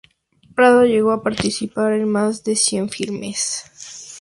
Prado llegó a participar en más de cien filmes.